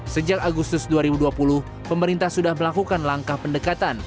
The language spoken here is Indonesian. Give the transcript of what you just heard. sejak agustus dua ribu dua puluh pemerintah sudah melakukan langkah pendekatan